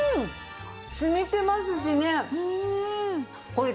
染みてますしね。